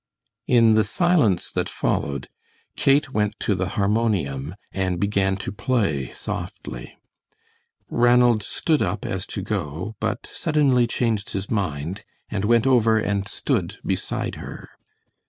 In the silence that followed Kate went to the harmonium and began to play softly. Ranald stood up as to go, but suddenly changed his mind, and went over and stood beside her.